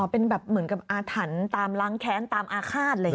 อ๋อเป็นแบบเหมือนกับอาถรรภ์ตามร้างแค้นตามอาฆาตเลย